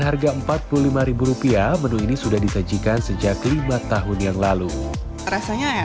harga empat puluh lima rupiah menu ini sudah disajikan sejak lima tahun yang lalu rasanya ya